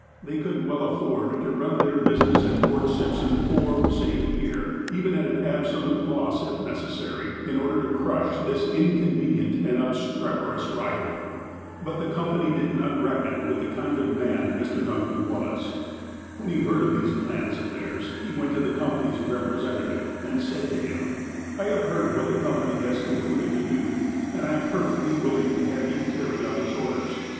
They could well afford to run their busi ness at Fort Simpson for, say a year, even at an absolute loss, if necessary, in order to crush this inconvenient and obstreperous rival. But the Company did not reckon with the kind of man Mr. Duncan was. When he heard of these plans of theirs, he went to the Company's representative, and said to him : "I have heard what the Company has concluded to do, and I am perfectly willing to have you carry out its orders.